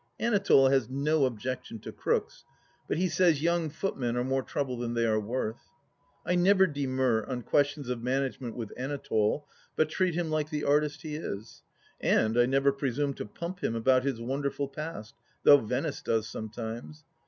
Anatole has no objection to Crookes, but he says young footmen are more trouble than they are worth. I never demur on questions of management with Anatole, but treat him like the artist he is. And I never presume to pump him about his wonderful past, though Venice does sometimes.